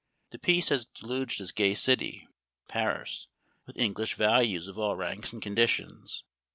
The peace has deluged this gay city (Paris) with English visit ors of all ranks and conditions.